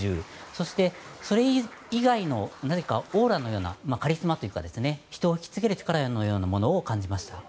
それ以外のオーラのようなカリスマというか人を引き付ける力のようなものを感じました。